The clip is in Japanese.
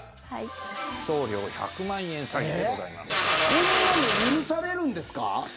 こんなの許されるんですか？